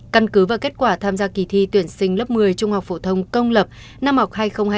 căn cứ và kết quả tham gia kỳ thi tuyển sinh lớp một mươi trung học phổ thông công lập năm học hai nghìn hai mươi hai nghìn hai mươi